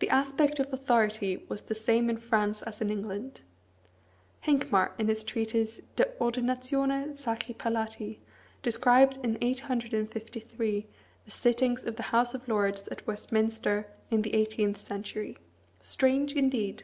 The aspect of authority was the same in France as in England. Hincmar, in his treatise, "De Ordinatione Sacri Palatii," described in 853 the sittings of the House of Lords at Westminster in the eighteenth century. Strange, indeed!